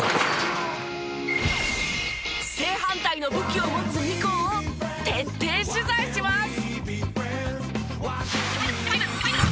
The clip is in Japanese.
正反対の武器を持つ２校を徹底取材します！